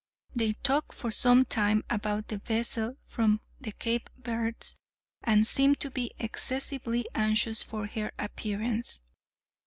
They talked for some time about the vessel from the Cape Verds, and seemed to be excessively anxious for her appearance.